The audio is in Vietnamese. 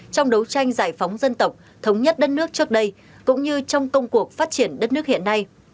trong đấu tranh giải phóng dân tộc thống nhất đất nước trước đây cũng như trong công cuộc phát triển đất nước hiện nay